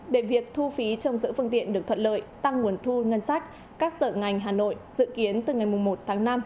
để việc thu phí trong giữ phương tiện được thuận lợi tăng nguồn thu ngân sách các sở ngành hà nội dự kiến từ ngày một tháng năm